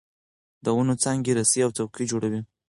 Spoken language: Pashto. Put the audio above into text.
د ونو څانګې رسۍ او څوکۍ جوړوي.